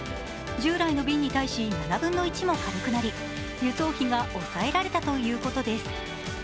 従来の瓶に対し７分の１も軽くなり、輸送費が抑えられたということです。